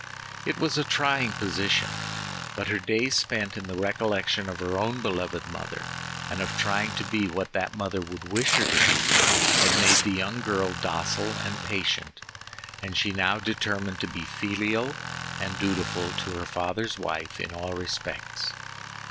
It was a trying position; but her days spent in the recollection of her own beloved mother, and of trying to be what that mother would wish her to be, had made the young girl docile and patient, and she now determined to be filial and dutiful to her father's wife, in all respects.